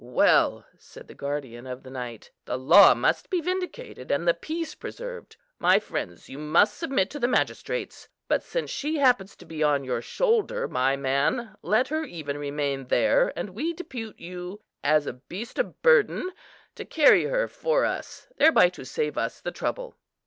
"Well," said the guardian of the night, "the law must be vindicated, and the peace preserved. My friends, you must submit to the magistrates. But since she happens to be on your shoulder, my man, let her even remain there, and we depute you, as a beast of burden, to carry her for us, thereby to save us the trouble.